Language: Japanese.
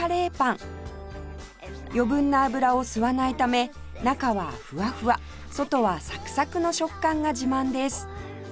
余分な油を吸わないため中はフワフワ外はサクサクの食感が自慢です